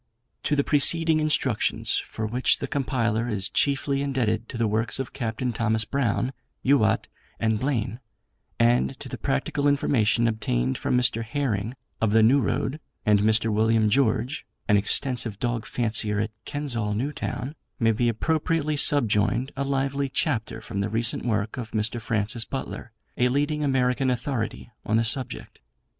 To the preceding instructions, for which the compiler is chiefly indebted to the works of Capt. Thomas Brown, Youatt, and Blaine, and to the practical information obtained from Mr. Herring of the New Road, and Mr. William George, an extensive dog fancier at Kensall New Town, may be appropriately subjoined a lively chapter from the recent work of Mr. Francis Butler, a leading American authority on the subject.